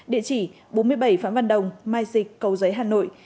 địa chỉ bốn mươi bảy phạm văn đồng mai dịch cầu giấy hà nội